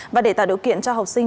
và để tạo điều kiện cho học sinh